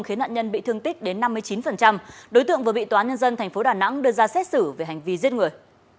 khiến nạn nhân bị thương tích đến năm mươi chín đối tượng vừa bị tòa nhân dân tp đà nẵng đưa ra xét xử về hành vi giết người